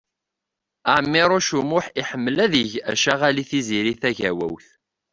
Ɛmiṛuc U Muḥ iḥemmel ad yeg acaɣal i Tiziri Tagawawt.